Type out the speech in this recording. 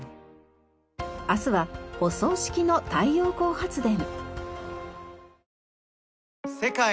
明日は舗装式の太陽光発電。